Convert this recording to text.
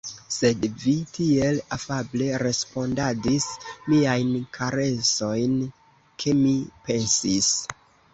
Sed vi tiel afable respondadis miajn karesojn, ke mi pensis.